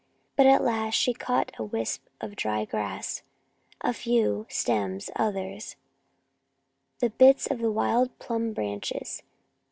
But at last she caught a wisp of dry grass, a few dry stems others, the bits of wild plum branches.